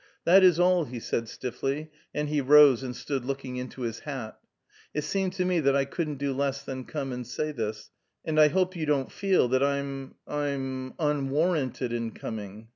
"That is all," he said, stiffly; and he rose and stood looking into his hat. "It seemed to me that I couldn't do less than come and say this, and I hope you don't feel that I'm I'm unwarranted in coming."